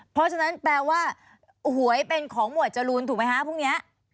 เพราะฉะนั้นแปลว่าหวยเป็นของหมวดจรูนถูกไหมคะพรุ่งนี้